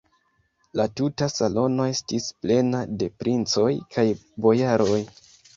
La tuta salono estis plena de princoj kaj bojaroj.